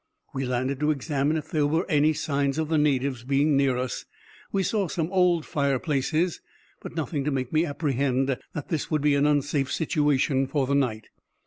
We landed to examine if there were any signs of the natives being near us: we saw some old fireplaces, but nothing to make me apprehend that this would be an unsafe situation for the night.